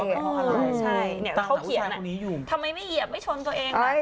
ต้องคิดว่าทำไมไม่เหยียบไม่ชนตัวเองล่ะ